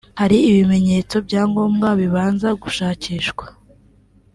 hari ibimenyetso bya ngombwa bibanza gushakishwa